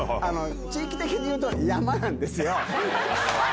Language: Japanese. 地域的に言うと山なんですよ。